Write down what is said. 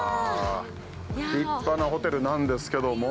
立派なホテルなんですけども。